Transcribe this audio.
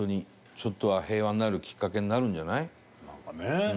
ちょっとは平和になるきっかけになるんじゃない？